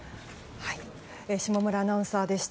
下村アナウンサーでした。